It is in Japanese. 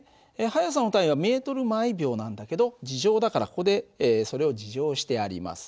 速さの単位はｍ／ｓなんだけど２乗だからここでそれを２乗してあります。